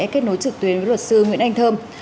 kết nối trực tuyến với luật sư nguyễn anh thơm